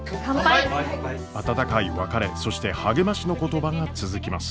温かい別れそして励ましの言葉が続きます。